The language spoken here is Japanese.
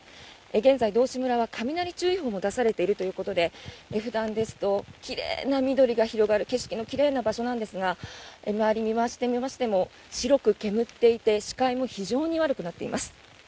現在、道志村は雷注意報も出されているということで普段ですと奇麗な緑が広がる景色の奇麗な場所なんですが周りを見回してみましても白く煙っていて視界も非常に悪くなっています。